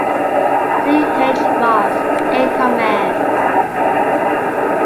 C. H. Ross in command.